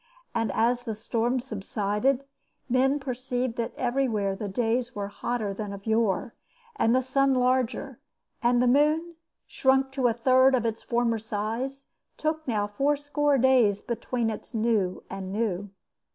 And as the storms subsided men perceived that everywhere the days were hotter than of yore, and the sun larger, and the moon, shrunk to a third of its former size, took now fourscore days between its new and new.